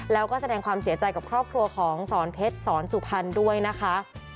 แล้วก็แสดงความเสียใจกับครอบครัวของสอนเพชรสอนสุพรรณด้วยนะคะ